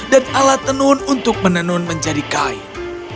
dan alat tenun untuk menenun menjadi kain